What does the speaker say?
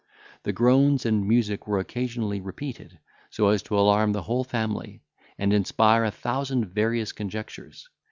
The groans and music were occasionally repeated, so as to alarm the whole family, and inspire a thousand various conjectures.